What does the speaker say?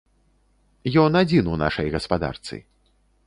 Ён адзін у нашай гаспадарцы.